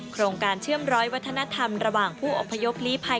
โครงการเชื่อมร้อยวัฒนธรรมระหว่างผู้อพยพลีภัย